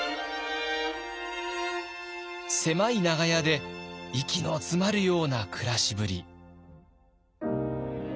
狭い長屋で息の詰まるような暮らしぶり。